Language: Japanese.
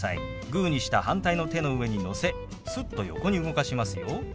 グーにした反対の手の上にのせすっと横に動かしますよ。